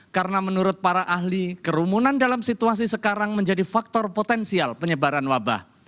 karena menurut para ahli kerumunan dalam situasi sekarang menjadi faktor potensial penyebaran wabah